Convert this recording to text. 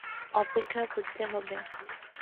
অপেক্ষা করতে হবে।